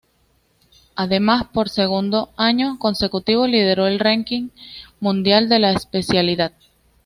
Además por segundo año consecutivo lideró el ranking mundial de la especialidad.